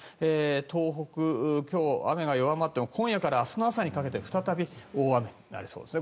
東北、今日は雨が弱まっても今夜から明日の朝にかけて再び大雨になりそうです。